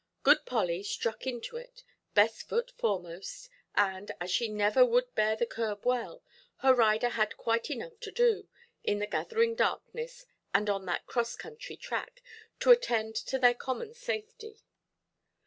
Good Polly struck into it, best foot foremost, and, as she never would bear the curb well, her rider had quite enough to do, in the gathering darkness, and on that cross–country track, to attend to their common safety.